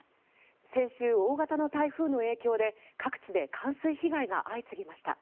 先週、大型の台風の影響で各地で冠水被害が相次ぎました。